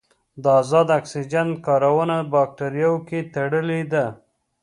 د ازاد اکسیجن کارونه په باکتریاوو کې تړلې ده.